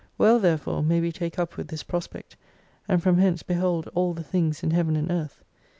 Well therefore may we take up with this prospect, and from hence behold all the things in Heaven and Earth.